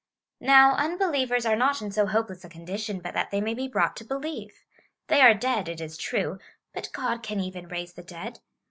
Now, unbelievers are not in so hopeless a condition but that they may be brought to believe. They are dead, it is true, but God can even raise the dead.